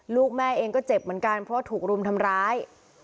ลูกแม่เองก็เจ็บเหมือนกันเพราะถูกรุมทำร้าย